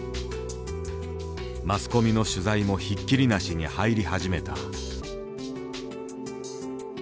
マスコミの取材もひっきりなしに入り始めた。